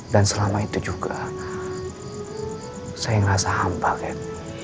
dan selama itu juga saya ngerasa hampa ken